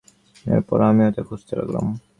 এরপর, আমিও তা খুঁজতে লাগলাম।